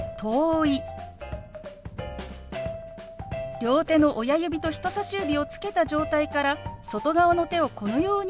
両手の親指と人さし指をつけた状態から外側の手をこのように動かします。